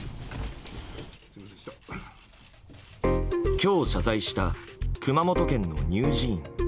今日謝罪した熊本県の乳児院。